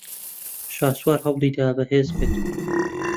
شاسوار ھەوڵی دا بەھێز بێت.